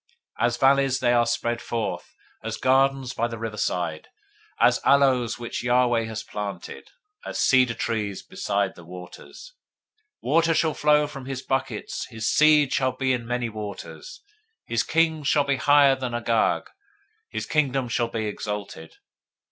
024:006 As valleys they are spread forth, as gardens by the riverside, as aloes which Yahweh has planted, as cedar trees beside the waters. 024:007 Water shall flow from his buckets. His seed shall be in many waters. His king shall be higher than Agag. His kingdom shall be exalted.